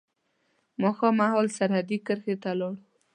ماښام مهال سرحدي کرښې ته ولاړو.